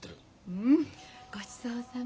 うんごちそうさま。